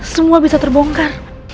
semua bisa terbongkar